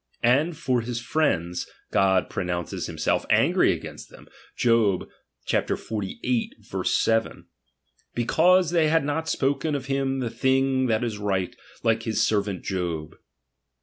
And for his friends, God pro nounces himself angry against them (Job. xlii. 7) ::=^ Because they had not spoken of him the thing that is right, like his servant Jol